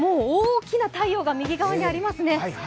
大きな太陽が右側にあります。